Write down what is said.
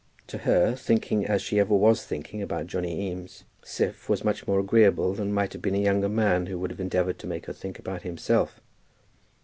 To her, thinking, as she ever was thinking, about Johnny Eames, Siph was much more agreeable than might have been a younger man who would have endeavoured to make her think about himself.